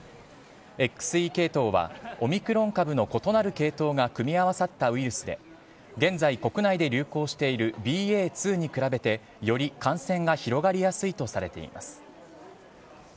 ＸＥ系統はオミクロン株の異なる系統が組み合わさったウイルスで、現在、国内で流行しているＢＡ．２に比べてより感染が広がりやすいとされています。